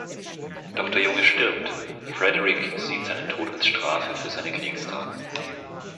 Doch der Junge stirbt, Frederic sieht seinen Tod als Strafe für seine Kriegstaten.